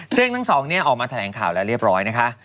ซึ่งทั้งสองเนี่ยออกมาแถลงข่าวแล้วเรียบร้อยนะคะ